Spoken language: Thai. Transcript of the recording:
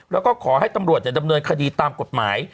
แล้วก็ขอให้ตำรวจดำเนินคดีตามกฎหมาย